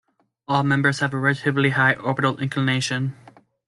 All members have a relatively high orbital inclination.